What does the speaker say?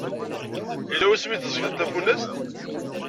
Yella wasmi i teẓẓgeḍ tafunast?